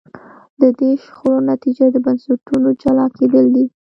د دې شخړو نتیجه د بنسټونو جلا کېدل دي.